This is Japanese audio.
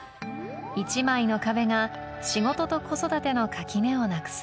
１枚の壁が仕事と子育ての垣根をなくす